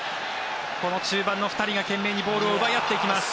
中盤の２人が懸命にボールを奪い合っていきます。